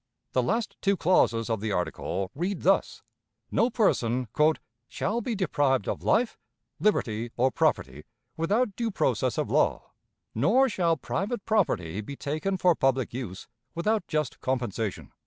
The last two clauses of the article read thus: No person "shall be deprived of life, liberty, or property, without due process of law; nor shall private property be taken for public use, without just compensation."